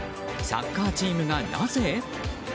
サッカーチームがなぜ？